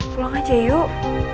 pulang aja yuk